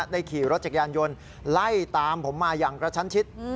ขี่รถจักรยานยนต์ไล่ตามผมมาอย่างกระชั้นชิด